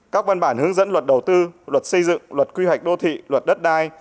các văn bản hướng dẫn luật đầu tư luật xây dựng luật quy hoạch đô thị luật đất đai